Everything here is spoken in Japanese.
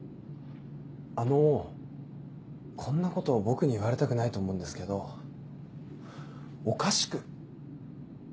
あのこんなこと僕に言われたくないと思うんですけどおかしく。